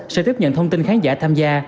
sẽ tiếp nhận thông tin khán giả tham gia